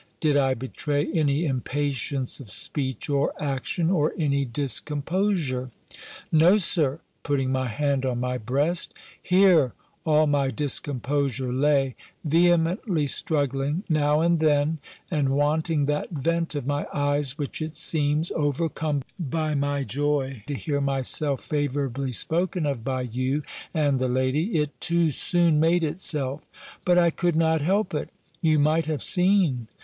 did I betray any impatience of speech or action, or any discomposure? "No, Sir," putting my hand on my breast, "here all my discomposure lay, vehemently struggling, now and then, and wanting that vent of my eyes, which it seems (overcome by my joy, to hear myself favourably spoken of by you and the lady,) it too soon made itself. But I could not help it You might have seen.